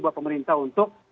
buat pemerintah untuk